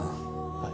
はい。